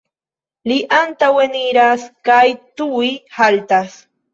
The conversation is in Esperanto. Li antaŭeniras kaj tuj haltas.